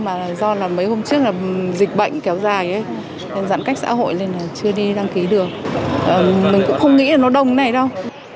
mình cũng không nghĩ là nó đông thế này đâu